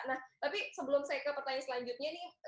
nah tapi sebelum saya ke pertanyaan selanjutnya nih